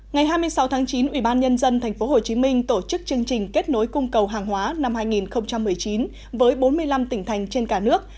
ngày hai mươi sáu tháng chín ubnd tp hcm tổ chức chương trình kết nối cung cầu hàng hóa năm hai nghìn một mươi chín với bốn mươi năm tỉnh thành trên cả nước